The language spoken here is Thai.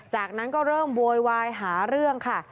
จากนั้นก็เริ่มโวยวายหาเรื่องค่ะ